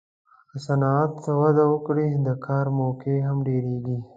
که صنعت وده وکړي، د کار موقعې هم ډېرېږي.